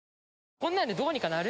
こんなんでどうにかなる？